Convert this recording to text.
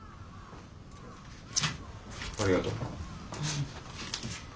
ありがと。